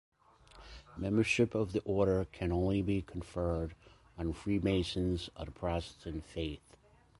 Membership of the order can only be conferred on Freemasons of the Protestant faith.